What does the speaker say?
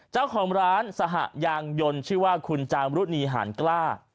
เจ้าของร้านสหยางยนต์ชื่อว่าคุณจามรุณีหารกล้า